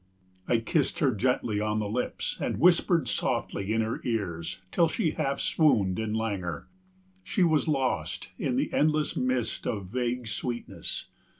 I kissed her gently on her lips and whispered softly in her ears till she half swooned in languor. She was lost in the endless mist of vague sweetness.